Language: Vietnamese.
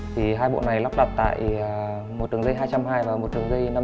thì hai bộ này lắp đặt tại một đường dây hai trăm linh hai và một đường dây năm trăm linh